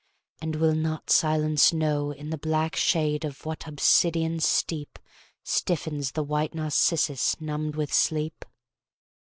And will not Silence know In the black shade of what obsidian steep Stiffens the white narcissus numb with sleep?